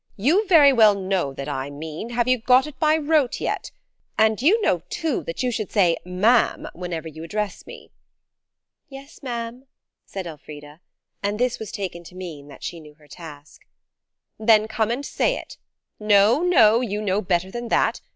"You very well know that I mean, have you got it by rote yet? And you know, too, that you should say 'ma'am' whenever you address me." "Yes, ma'am," said Elfrida; and this was taken to mean that she knew her task. "Then come and say it. No, no; you know better than that.